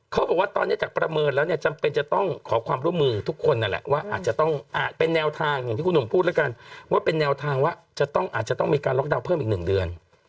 เขาบอกว่าตอนนี้จากประเมินแล้วเนี่ยจำเป็นจะต้องขอความร่วมมือทุกคนนั่นแหละว่าอาจจะต้องอาจเป็นแนวทางอย่างที่คุณหนุ่มพูดแล้วกันว่าเป็นแนวทางว่าจะต้องอาจจะต้องมีการล็อกดาวน์เพิ่มอีก๑เดือน